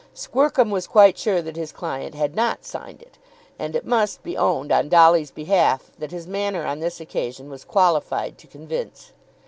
Squercum was quite sure that his client had not signed it. And it must be owned on Dolly's behalf that his manner on this occasion was qualified to convince.